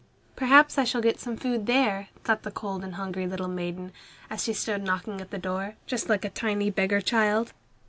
"Perhaps I shall get some food here," thought the cold and hungry little maiden, as she stood knocking at the door, just like a tiny beggar child.